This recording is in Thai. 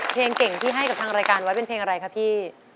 เพลงเก่งที่ให้กับทางรายการไว้เป็นเพลงอะไรคะพี่